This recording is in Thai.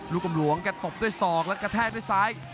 ลูกกำลังกระตบด้วยศอกแล้วกระแทกด้วยซ้าย